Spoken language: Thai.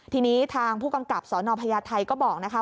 ทีนี้ทางผู้กำกับสนพญาไทยก็บอกนะคะ